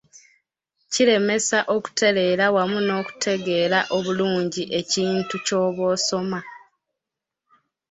Kiremesa okutereera wamu n'okutegeera obulungi ekintu ky'oba osoma.